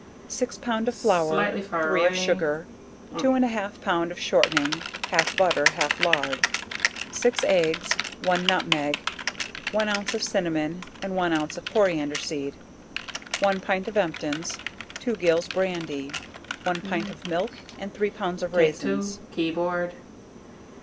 Six pound of flour, 3 of sugar, 2 and a half pound of shortning, (half butter, half lard) 6 eggs, 1 nutmeg, 1 ounce of cinnamon and 1 ounce of coriander seed, 1 pint of emptins, 2 gills brandy, 1 pint of milk and 3 pound of raisins.